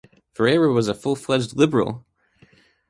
Ferreira was a full-fledged liberal.